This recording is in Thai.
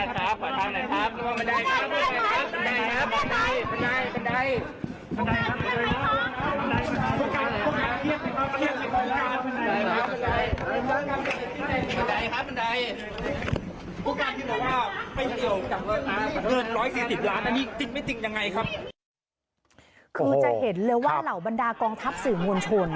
คือจะเห็นเลยว่าเหล่าบรรดากองทัพสื่อมวลชน